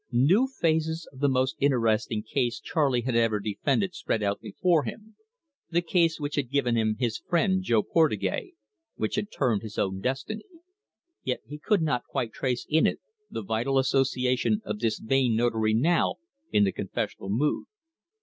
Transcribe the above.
New phases of the most interesting case Charley had ever defended spread out before him the case which had given him his friend Jo Portugais, which had turned his own destiny. Yet he could not quite trace in it the vital association of this vain Notary now in the confessional mood.